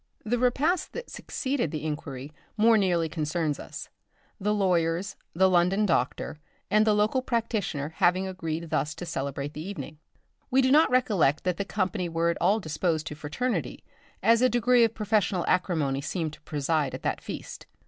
The repast that succeeded the inquiry more nearly concerns us; the lawyers, the London doctor, and the local practitioner having agreed thus to celebrate the evening. We do not recollect that the company were at all disposed to fraternity, as a degree of professional acrimony seemed to preside at that feast.